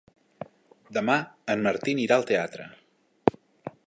Demà en Martí anirà al teatre.